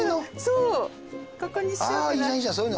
そうここにしようかな。